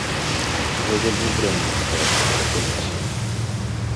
Я вельмі дрэнна стаўлюся да коміксаў.